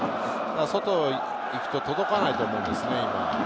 外に行くと届かないと思うんですね。